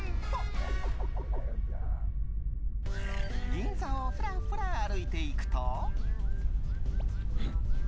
銀座をふらふら歩いていくと。